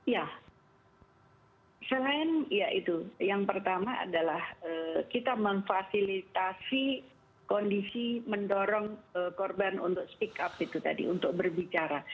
ya selain ya itu yang pertama adalah kita memfasilitasi kondisi mendorong korban untuk speak up itu tadi untuk berbicara